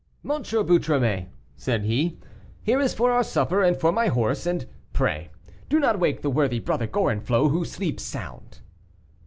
"M. Boutromet," said he, "here is for our supper, and for my horse; and pray do not wake the worthy Brother Gorenflot, who sleeps sound."